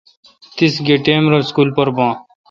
تیس گہ ٹیم رل اسکول پر بان